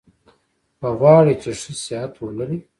که غواړی چي ښه صحت ولرئ؟